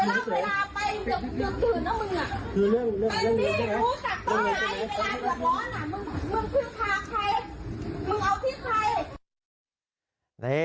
มึงเพิ่งพาใครมึงเอาที่ใคร